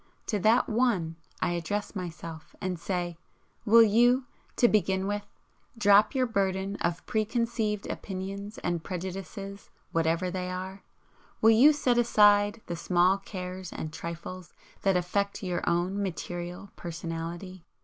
To that one I address myself and say: Will you, to begin with, drop your burden of preconceived opinions and prejudices, whatever they are? Will you set aside the small cares and trifles that affect your own material personality?